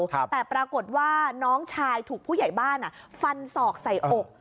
แต่ปรากฏว่าน้องชายถูกผู้ใหญ่บ้านฟันศอกใส่อก